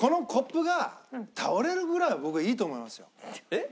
えっ？